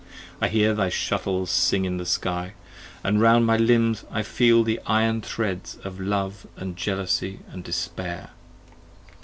I hear thy shuttles sing in the sky, and round my limbs I feel the iron threads of love & jealousy & despair.